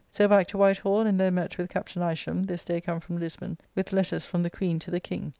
So back to White Hall, and there met with Captn. Isham, this day come from Lisbon, with letters from the Queen to the King.